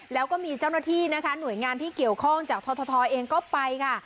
แล้วก็มีเจ้าหน้าที่นะคะหน่วยงานที่เกี่ยวข้องจากททเองก็ไปค่ะ